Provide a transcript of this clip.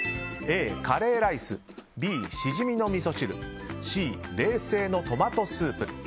Ａ、カレーライスＢ、シジミのみそ汁Ｃ、冷製のトマトスープ。